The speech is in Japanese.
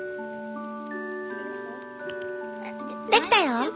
できたよ。